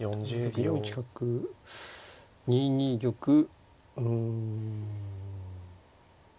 ４一角２二玉うん。